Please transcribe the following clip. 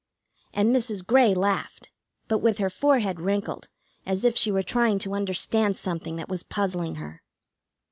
And Mrs. Grey laughed, but with her forehead wrinkled, as if she were trying to understand something that was puzzling her.